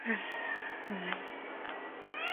弯肢溪蟹为溪蟹科溪蟹属的动物。